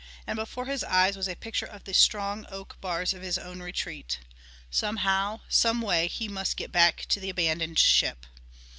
And before his eyes was a picture of the strong oak bars of his own retreat. Somehow, some way, he must get back to the abandoned ship.